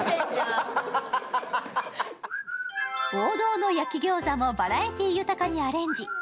王道の焼き餃子もバラエティーにアレンジ。